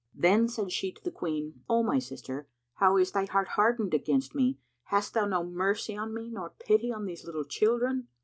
Then said she to the Queen, "O my sister, how is thy heart hardened against me? Hast thou no mercy on me nor pity on these little children?"